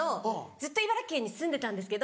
ずっと茨城県に住んでたんですけど。